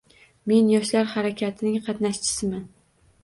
Men yoshlar harakatining qatnashchisiman.